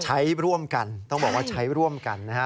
ใช้ร่วมกันต้องบอกว่าใช้ร่วมกันนะฮะ